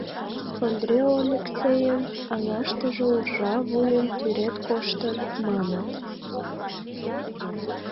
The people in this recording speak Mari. Ондре Ольыксейын аҥаштыже уржа вуйым тӱред коштын, маныт.